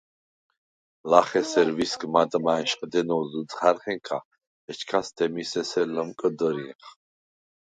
ლახ ესერ ვისგ მადმა ა̈ნშყდენოლ ზჷთჴა̈რხენქა, ეჩქას დემის ესერ ლჷმკჷდჷრინხ.